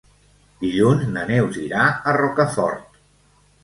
Dilluns na Neus irà a Rocafort.